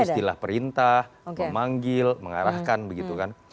istilah perintah memanggil mengarahkan begitu kan